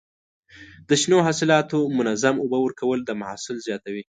د شنو حاصلاتو منظم اوبه ورکول د محصول زیاتوي.